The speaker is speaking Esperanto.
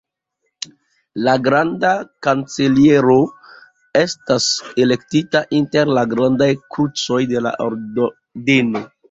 La granda kanceliero estas elektita inter la grandaj krucoj de la ordeno.